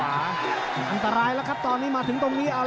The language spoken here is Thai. อันตรายแล้วครับมาถึงตรงนี้